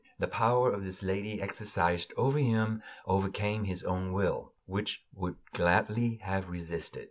The power this lady exercised over him overcame his own will, which would gladly have resisted.